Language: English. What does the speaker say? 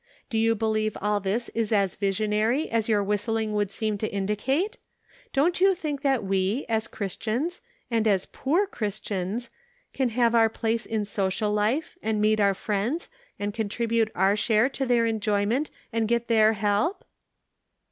Do you believe all this is as visionary as your whistling would seem to indicate? Don't you think that we, as Christians, and as poor Christians, can have our place in social life, and meet our friends, and contribute our share to their enjoyment and get their help